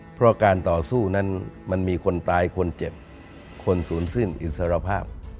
เพราะการต่อสู้นั้นมันมีคนตายคนเจ็บคนศูนย์สิ้นอิสรภาพ